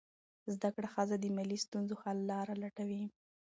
زده کړه ښځه د مالي ستونزو حل لاره لټوي.